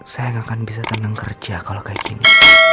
saya gak akan bisa tenang kerja kalau kayak gini